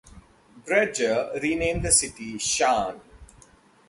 Breggor renamed the city Sharn.